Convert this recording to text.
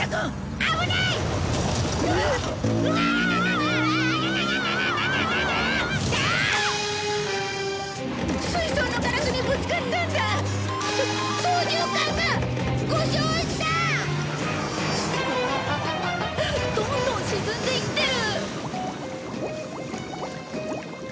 あわわどんどん沈んでいってる。